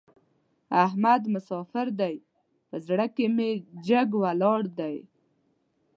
احمد مساپر دی؛ په زړه کې مې جګ ولاړ دی.